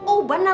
oh banah pusing